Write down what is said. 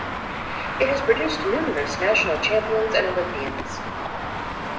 It has produced numerous National Champions and olympians.